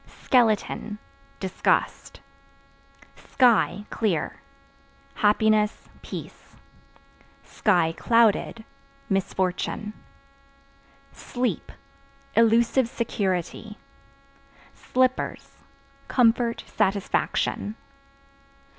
Skeleton Disgust. Sky (Clear) happiness, peace; (clouded) misfortune. Sleep Illusive security. Slippers Comfort, satisfaction.